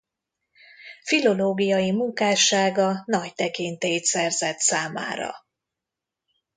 Filológiai munkássága nagy tekintélyt szerzett számára.